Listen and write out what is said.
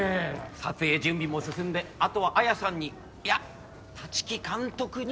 撮影準備も進んであとは彩さんにいや立木監督にお任せするだけです。